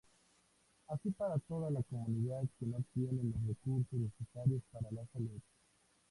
Así para toda la comunidad que no tienen los recursos necesarios para la salud.